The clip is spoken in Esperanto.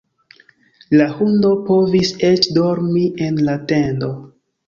La hundo povis eĉ dormi en la tendo.